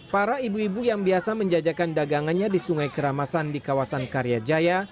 para ibu ibu yang biasa menjajakan dagangannya di sungai keramasan di kawasan karyajaya